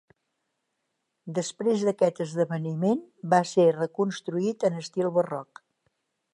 Després d'aquest esdeveniment va ser reconstruït en estil barroc.